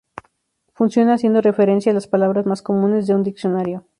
Funciona haciendo referencia a las palabras más comunes de un diccionario.